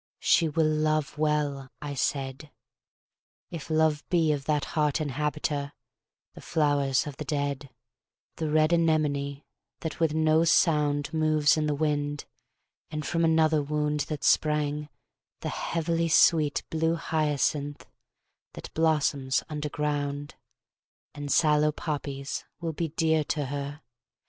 "She will love well," I said, "If love be of that heart inhabiter, The flowers of the dead; The red anemone that with no sound Moves in the wind, and from another wound That sprang, the heavily sweet blue hyacinth, That blossoms underground, And sallow poppies, will be dear to her.